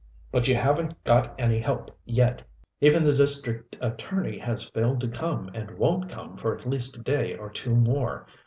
But you haven't got any help yet even the district attorney has failed to come and won't come for at least a day or two more.